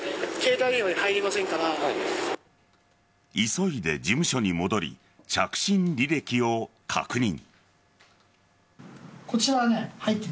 急いで事務所に戻り着信履歴を確認。